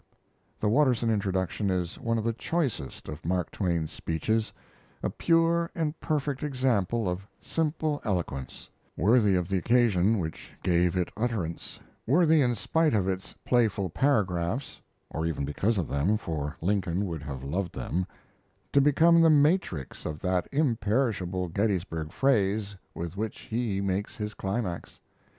The Watterson introduction is one of the choicest of Mark Twain's speeches a pure and perfect example of simple eloquence, worthy of the occasion which gave it utterance, worthy in spite of its playful paragraphs (or even because of them, for Lincoln would have loved them), to become the matrix of that imperishable Gettysburg phrase with which he makes his climax.